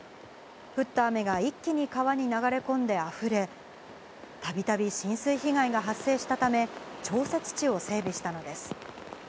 降った雨が一気に川に流れ込んであふれ、たびたび浸水被害が発生したため、調節池を整備したのです。